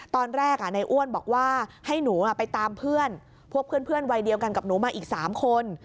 ตอนแรกในอ้วนบอกว่าให้หนูไปตามเพื่อนพวกเพื่อนวัยเดียวกันกับหนูมาอีก๓คน